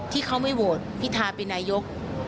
ที่เขาไม่โหวตพิธาเป็นนายก